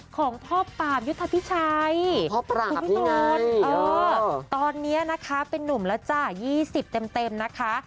ของพ่อปามยุทธพิชัยคุณผู้ชมตอนนี้นะคะเป็นนุ่มแล้วจ้ะ๒๐เต็มนะคะ